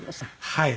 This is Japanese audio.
はい。